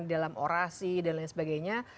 dalam orasi dan lain sebagainya